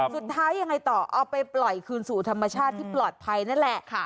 สุดท้ายยังไงต่อเอาไปปล่อยคืนสู่ธรรมชาติที่ปลอดภัยนั่นแหละ